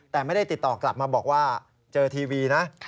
แต่ไม่ได้ติดต่อกลับมาบอกว่าเจอทีวีนะ